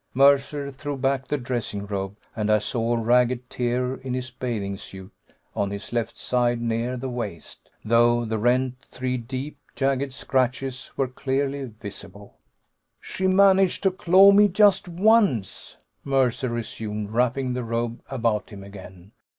Mercer threw back the dressing robe, and I saw a ragged tear in his bathing suit on his left side, near the waist. Through the rent three deep, jagged scratches were clearly visible. "She managed to claw me, just once," Mercer resumed, wrapping the robe about him again.